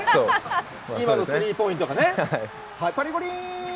今のスリーポイントがね。